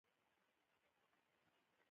بوټونه د سړکونو خاورې نه ژغوري.